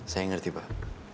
saya ngerti pak